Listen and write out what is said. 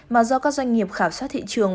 mà do các doanh nghiệp khảo sát thị trường